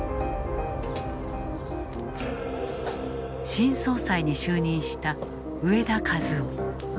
新総裁に就任した植田和男。